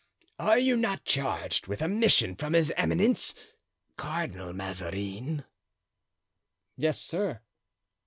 "Are you not charged with a mission from his eminence, Cardinal Mazarin?" "Yes, sir."